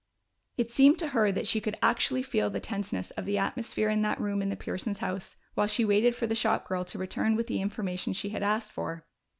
It seemed to her that she could actually feel the tenseness of the atmosphere in that room in the Pearsons' house while she waited for the shop girl to return with the information she had asked for.